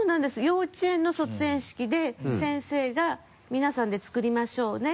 幼稚園の卒園式で先生が「皆さんで作りましょうね」